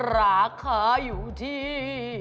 ราคาอยู่ที่